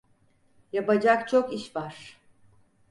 Yapacak çok iş var.